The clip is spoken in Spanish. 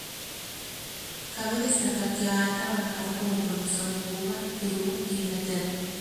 Cabe destacar que ha trabajado como profesor en Cuba, Perú e Inglaterra.